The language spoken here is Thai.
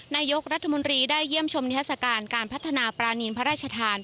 นายกรัฐมนตรีได้เยี่ยมชมนิทัศกาลการพัฒนาปรานีนพระราชทาน